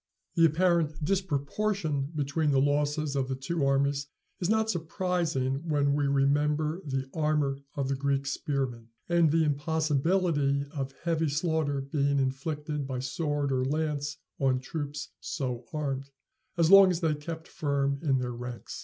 The apparent disproportion between the losses of the two armies is not surprising when we remember the armor of the Greek spearmen, and the impossibility of heavy slaughter being inflicted by sword or lance on troops so armed, as long as they kept firm in their ranks.